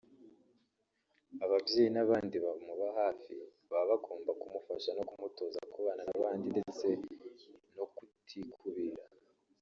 ababyeyi n’abandi bamuba hafi baba bagomba kumufasha no kumutoza kubana n’abandi ndetse no kutikubira